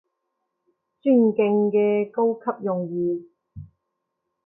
尊敬嘅高級用戶